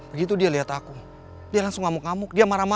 adiknya tidak ada masalah kenapa